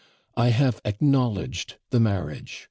I have acknowledged the marriage.